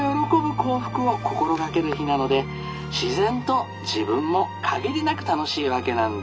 幸福を心がける日なので自然と自分も限りなく楽しいわけなんです。